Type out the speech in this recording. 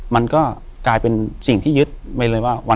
มันก็กลายเป็นสิ่งที่ยึดไปเลยว่า